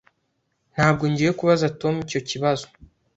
Ntabwo ngiye kubaza Tom icyo kibazo.